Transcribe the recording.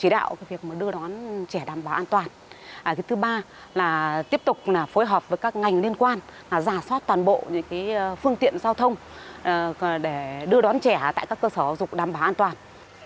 để đưa đón trẻ tại các cơ sở giáo dục đảm bảo an toàn